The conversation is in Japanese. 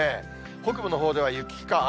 北部のほうでは雪か雨。